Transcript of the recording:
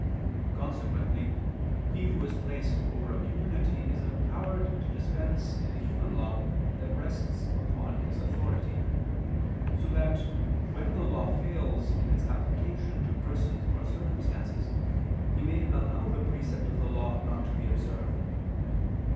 Consequently he who is placed over a community is empowered to dispense in a human law that rests upon his authority, so that, when the law fails in its application to persons or circumstances, he may allow the precept of the law not to be observed.